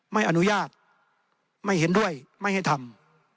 ไม่อนุญาตไม่เห็นด้วยไม่ให้ทำ